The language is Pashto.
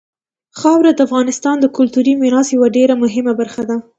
خاوره د افغانستان د کلتوري میراث یوه ډېره مهمه برخه ده.